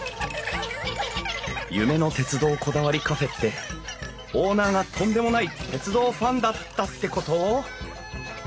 「夢の鉄道こだわりカフェ」ってオーナーがとんでもない鉄道ファンだったってこと？